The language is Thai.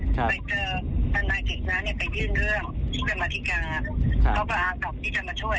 ไปเจอท่านนายจิตน้ำเนี่ยไปยื่นเรื่องที่กรรมาธิการเขาก็อาจจะมาช่วย